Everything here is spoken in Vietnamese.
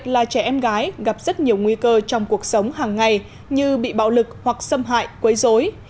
là trẻ em gái gặp rất nhiều nguy cơ trong cuộc sống hàng ngày như bị bạo lực hoặc xâm hại quấy dối